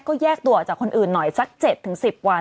ก็แยกตัวออกจากคนอื่นหน่อยสัก๗๑๐วัน